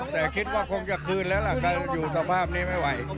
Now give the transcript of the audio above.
แต่คิดว่าคงจะคืนแล้วล่ะก็อยู่สภาพนี้ไม่ไหว